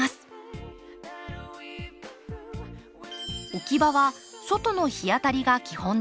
置き場は外の日当たりが基本です。